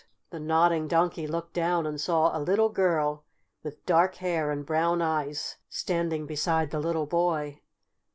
The Nodding Donkey looked down and saw a little girl, with dark hair and brown eyes standing beside the little boy.